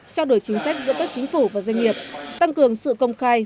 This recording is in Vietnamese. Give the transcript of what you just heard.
trao đổi chính sách giữa các chính phủ và doanh nghiệp tăng cường sự công khai